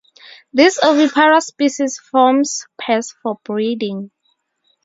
This oviparous species forms pairs for breeding.